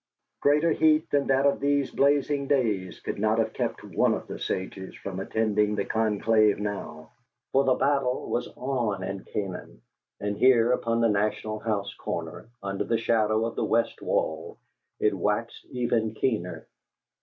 Greater heat than that of these blazing days could not have kept one of the sages from attending the conclave now. For the battle was on in Canaan: and here, upon the National House corner, under the shadow of the west wall, it waxed even keener.